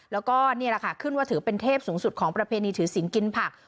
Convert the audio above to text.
แล้วก็นี่แหละค่ะขึ้นว่าถือเป็นเทพสูงสุดของประเพณีถือศิลป์กินผัก